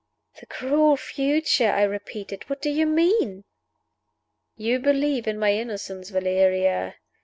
"The cruel future!" I repeated. "What do you mean?" "You believe in my innocence, Valeria.